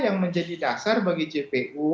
yang menjadi dasar bagi jpu